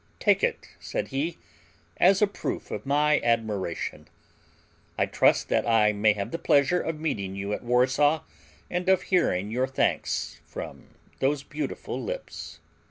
"Take it," said he, "as a proof of my admiration. I trust that I may have the pleasure of meeting you at Warsaw and of hearing your thanks from those beautiful lips."